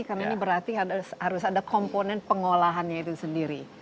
karena ini berarti harus ada komponen pengolahannya itu sendiri